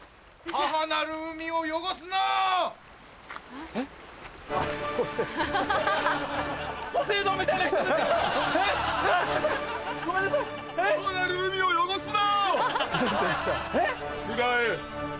母なる海を汚すな。